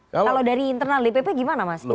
kalau dari internal dpp gimana mas